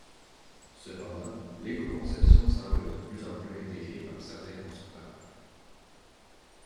Cependant, l'écoconception semble de plus en plus intégrée par certains constructeurs.